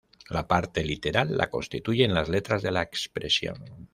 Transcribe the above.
La parte literal la constituyen las letras de la expresión.